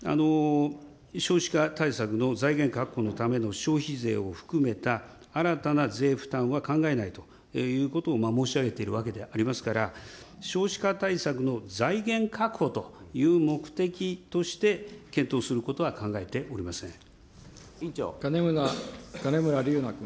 少子化対策の財源確保のための消費税を含めた新たな税負担は考えないということを申し上げているわけでありますから、少子化対策の財源確保という目的として、検討することは考えてお金村龍那君。